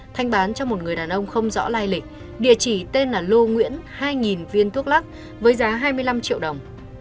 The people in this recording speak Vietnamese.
thanh bán cho một người đàn ông không rõ lai lịch địa chỉ tên là lô nguyễn hai viên thuốc lắc với giá hai mươi năm triệu đồng